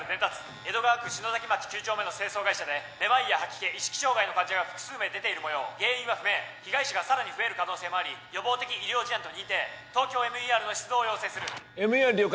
江戸川区篠崎町９丁目の清掃会社でめまいや吐き気意識障害の患者が複数名出ているもよう原因は不明被害者がさらに増える可能性もあり予防的医療事案と認定ＴＯＫＹＯＭＥＲの出動を要請するＭＥＲ了解